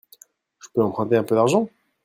Je peux emprunter un peu d'argent ?